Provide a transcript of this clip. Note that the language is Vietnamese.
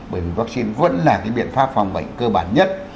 bởi vì vaccine vẫn là cái biện pháp phòng bệnh cơ bản nhất